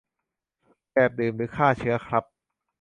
แบบดื่มหรือฆ่าเชื้อครับ